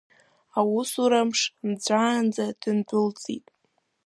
Аусурамш нҵәаанӡа, дындәылҵит.